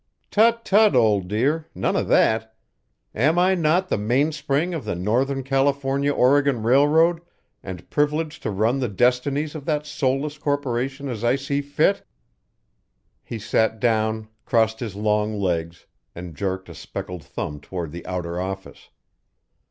"Tut tut, old dear! None of that! Am I not the main spring of the Northern California Oregon Railroad and privileged to run the destinies of that soulless corporation as I see fit?" He sat down, crossed his long legs, and jerked a speckled thumb toward the outer office.